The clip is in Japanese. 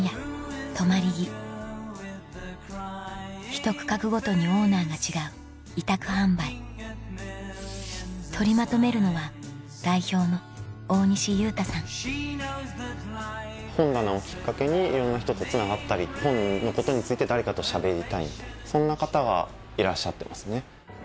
ひと区画ごとにオーナーが違う委託販売取りまとめるのは本棚をキッカケにいろんな人とつながったり本のことについて誰かとしゃべりたいみたいなそんな方がいらっしゃってますね。